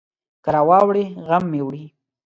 که راواړوي، غم مې وړي.